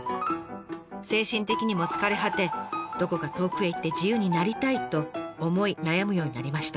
精神的にも疲れ果てどこか遠くへ行って自由になりたいと思い悩むようになりました。